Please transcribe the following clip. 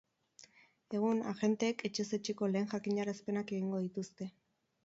Egun, agenteek etxez etxeko lehen jakinarazpenak egingo dituzte.